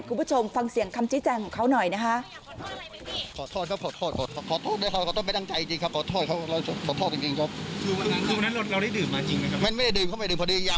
คุณผู้ชมฟังเสียงคำชี้แจงของเขาหน่อยนะคะ